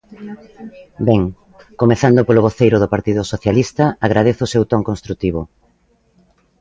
Ben, comezando polo voceiro do Partido Socialista, agradezo o seu ton construtivo.